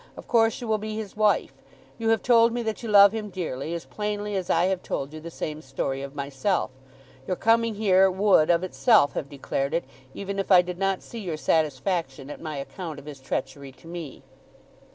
Of course you will be his wife. You have told me that you love him dearly, as plainly as I have told you the same story of myself. Your coming here would of itself have declared it, even if I did not see your satisfaction at my account of his treachery to me."